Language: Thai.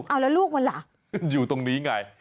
เอาแล้วลูกมันล่ะอยู่ตรงนี้ไง